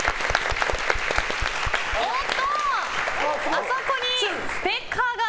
あそこにステッカーが。